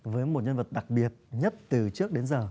với một nhân vật đặc biệt nhất từ trước đến giờ